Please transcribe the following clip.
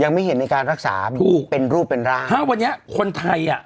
ไม่เห็นในการรักษาถูกเป็นรูปเป็นร่างถ้าวันนี้คนไทยอ่ะ